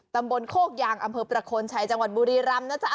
ตำบลโคกยางอำเภอประโคนชัยจังหวัดบุรีรำนะจ๊ะ